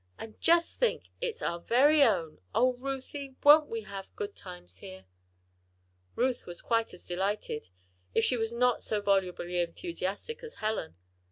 "And just think it's our very own! Oh, Ruthie! won't we just have good times here?" Ruth was quite as delighted, if she was not so volubly enthusiastic as Helen.